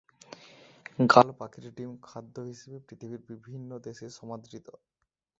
গাল পাখির ডিম খাদ্য হিসেবে পৃথিবীর বিভিন্ন দেশেই সমাদৃত।